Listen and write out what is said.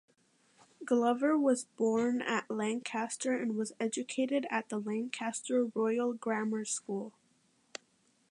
Glover was born at Lancaster and was educated at the Lancaster Royal Grammar School.